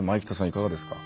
いかがですか。